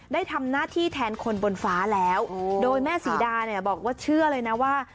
ได้ทำหน้าที่แทนคนบนฟ้าแล้วโดยแม่ศรีดาเนี่ยบอกว่าเชื่อเลยนะว่า